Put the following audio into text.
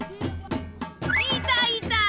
いたいた！